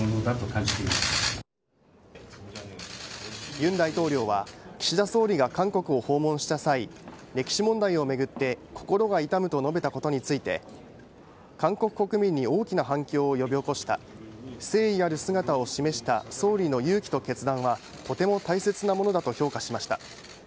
尹大統領は岸田総理が韓国を訪問した際歴史問題をめぐって心が痛むと述べたことについて韓国国民に大きな反響を呼び起こした誠意ある姿を示した総理の勇気と決断はとても大切なものだと評価しました。